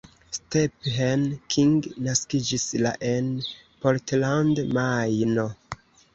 Stephen King naskiĝis la en Portland, Majno.